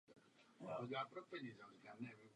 Kostel je jednolodní se čtyřmi bočními prostory.